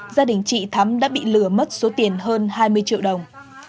gia đình chị thắm đã bị lừa mất số tiền hơn hai mươi triệu đồng